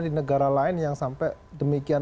di negara lain yang sampai demikian